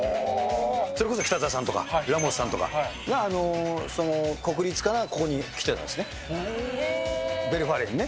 それこそ北澤さんとか、ラモスさんとかが、国立からここに来てたんですね、ヴェルファーレにね。